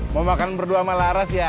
mau makan berdua sama laras ya